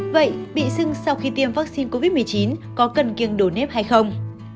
vậy bị sưng sau khi tiêm vaccine covid một mươi chín có cần kiêng đổ nếp hay không